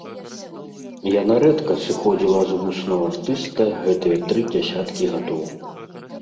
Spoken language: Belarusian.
Яна рэдка сыходзіла з вуснаў артыста гэтыя тры дзясяткі гадоў.